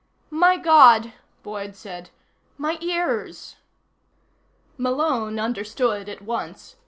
"My God," Boyd said. "My ears!" Malone understood at once.